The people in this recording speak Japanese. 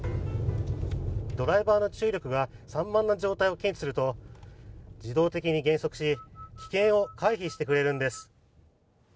ドライバーの注意力が散漫な状態を検知すると自動的に減速し危険を回避してくれるんです。